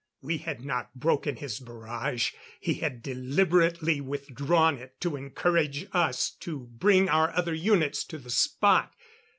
We had not broken his barrage; he had deliberately withdrawn it, to encourage us, to bring our other units to the spot....